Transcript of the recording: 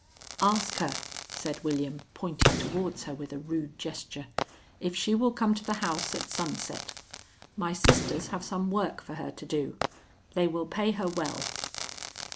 "Ask her," said William, pointing towards her with a rude gesture, "if she will come to the house at sunset. My sisters have some work for her to do. They will pay her well."